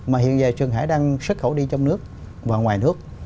mà hiện giờ trường hải đang xuất khẩu đi trong nước và ngoài nước